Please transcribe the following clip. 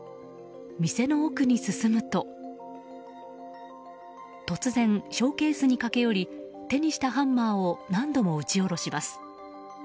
店の奥に進むと、突然ショーケースに駆け寄り手にしたハンマーを何度も打ち下ろします。